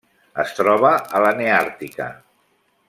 Es troba a la Neàrtica.